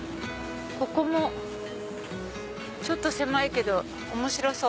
ここもちょっと狭いけど面白そう。